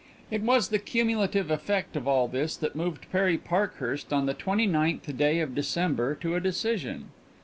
It was the cumulative effect of all this that moved Perry Parkhurst on the twenty ninth day of December to a decision.